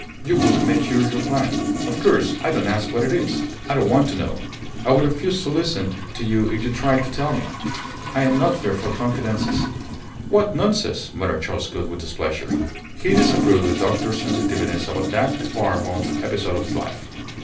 You would mature your plan. Of course, I don't ask what it is. I don't want to know. I would refuse to listen to you if you tried to tell me. I am not fit for confidences." "What nonsense!" muttered Charles Gould, with displeasure. He disapproved of the doctor's sensitiveness about that far off episode of his life.